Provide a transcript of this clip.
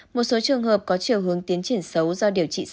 một số trường hợp có triều hướng tiến triển xấu do điều trị sai cách